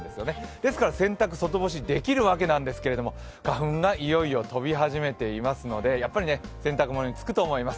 ですから、洗濯外干しできるわけなんですけれども花粉がいよいよ飛び始めていますので洗濯物につくと思います。